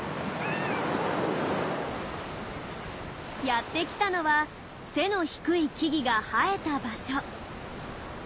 やってきたのは背の低い木々が生えた場所。